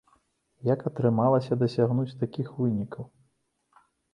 Як атрымалася дасягнуць такіх вынікаў?